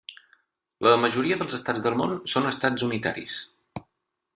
La majoria dels Estats del món són Estats unitaris.